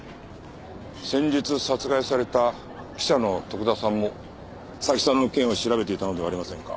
先日殺害された記者の徳田さんも斉木さんの件を調べていたのではありませんか？